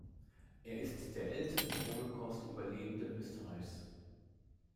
Er ist der älteste Holocaust-Überlebende Österreichs.